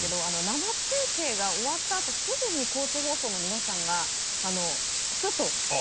生中継が終わったあとすぐに高知放送の皆さんがスッと。そうそう！